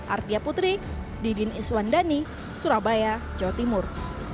ardia putri didin iswandani surabaya jawa timur